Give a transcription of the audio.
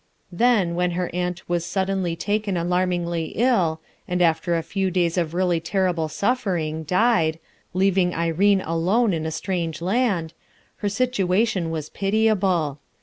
Then, when her aunt was suddenly taken alarmingly ill, and after a few days of really terrible suffer ing died, leaving Irene alone in a strange land, her situation vras pitiable.